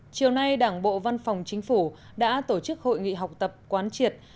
chiều nay đảng bộ văn phòng chính phủ đã tổ chức hội nghị học tập quán triệt